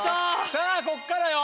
さぁここからよ。